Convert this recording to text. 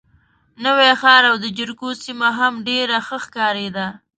نوی ښار او د جریکو سیمه هم ډېره ښه ښکارېده.